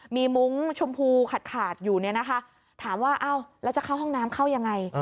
มีมุ้งชมพูขาดอยู่เนี่ยนะคะถามว่าอ้าวแล้วจะเข้าห้องน้ำเข้ายังไง